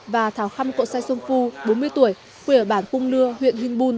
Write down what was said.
và thảo khăm cộ xai xuân phu bốn mươi tuổi quay ở bản cung lưa huyện huynh buôn